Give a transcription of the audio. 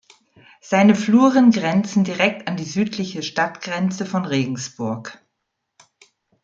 Seine Fluren grenzen direkt an die südliche Stadtgrenze von Regensburg.